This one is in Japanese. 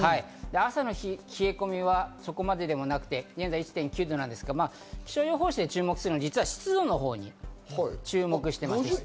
朝の冷え込みはそこまででもなくて現在、１．９度ですが、気象予報士で注目するのは実は湿度のほうに注目しています。